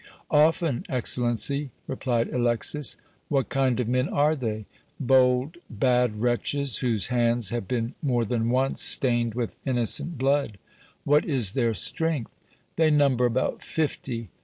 "Often, Excellency," replied Alexis. "What kind of men are they?" "Bold, bad wretches, whose hands have been more than once stained with innocent blood." "What is their strength?" "They number about fifty."